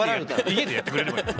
家でやってくれればいい。